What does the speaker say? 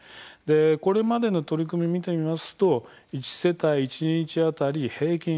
これまでの取り組み見てみますと１世帯一日当たり平均